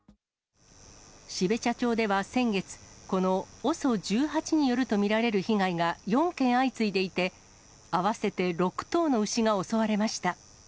標茶町では先月、このＯＳＯ１８によると見られる被害が４件相次いでいて、合わせて６頭の牛が襲われました。